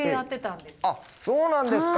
あっそうなんですか！